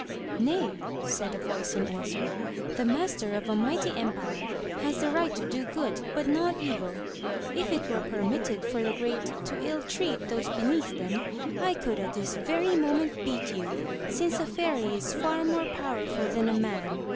"Nay! said a voice in answer, "the master of a mighty em pire has the right to do good but not evil. If it were permit ted for the great to ill treat those beneath them, I could at this very moment beat you, since a fairy is far more powerful than a man.